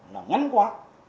là ngắn quá